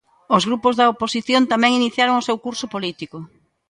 Os grupos da oposición tamén iniciaron o seu curso político.